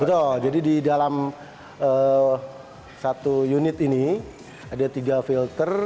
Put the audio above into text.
betul jadi di dalam satu unit ini ada tiga filter